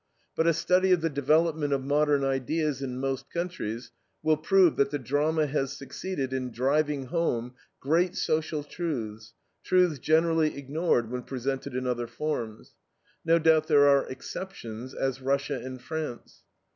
But a study of the development of modern ideas in most countries will prove that the drama has succeeded in driving home great social truths, truths generally ignored when presented in other forms. No doubt there are exceptions, as Russia and France.